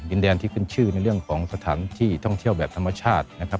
แดนที่ขึ้นชื่อในเรื่องของสถานที่ท่องเที่ยวแบบธรรมชาตินะครับ